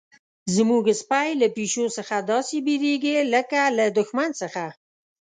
زموږ سپی له پیشو څخه داسې بیریږي لکه له دښمن څخه.